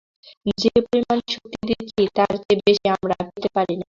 যে পরিমাণ শক্তি দিচ্ছি তার চেয়ে বেশি আমরা পেতে পারি না।